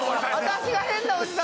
私が変なおじさんです